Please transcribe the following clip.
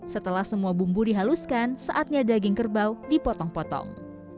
setelah semua bumbu dihaluskan saatnya daging kerbau dipotong potong